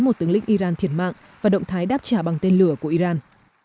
một tướng lĩnh iran thiệt mạng và động thái đáp trả bằng tên lửa của iran